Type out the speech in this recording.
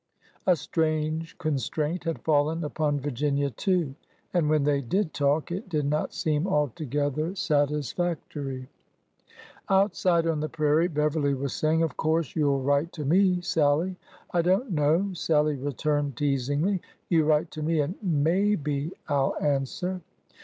A strange constraint had fallen upon Virginia too, and when they did talk it did not seem alto gether satisfactory TWO AND TWO ARE FIVE 65 Outside, on the prairie, Beverly was saying, '' Of course you 'll write to me, Sallie ?"" I don't know," Sallie returned teasingly ; you write to me, and maybe I 'll answer."